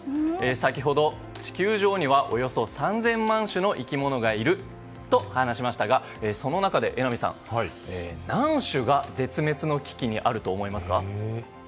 先ほど地球上にはおよそ３０００万種の生き物がいると話しましたがその中で、榎並さん、何種が絶滅の危機にあると思いますか？